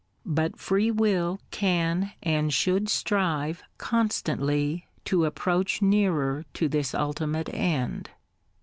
But Free Will can and should strive constantly to approach nearer to this ultimate end.